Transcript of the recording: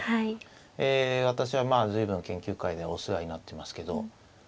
私は随分研究会でお世話になってますけど。